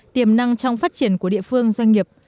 tiềm năng trong phát triển của địa phương doanh nghiệp